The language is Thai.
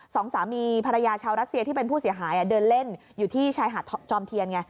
สองสามีภรรยาชาวรัสเซียที่เป็นผู้เสียหายเดินเล่นอยู่ที่ชายหาดจอมเทียนไง